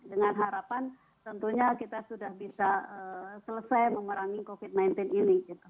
dengan harapan tentunya kita sudah bisa selesai memerangi covid sembilan belas ini